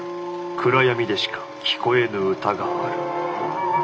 暗闇でしか聴こえぬ歌がある。